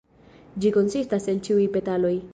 Ĝi konsistas el ĉiuj petaloj.